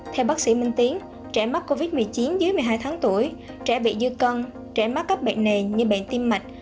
theo bác sĩ minh tiến trẻ mắc covid một mươi chín dưới một mươi hai tháng tuổi trẻ bị dư cân trẻ mắc các bệnh nền như bệnh tim mạch